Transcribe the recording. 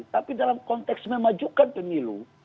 tapi dalam konteks memajukan pemilu